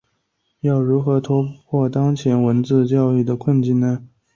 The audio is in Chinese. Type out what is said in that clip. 要如何突破当前汉字教育的困境呢？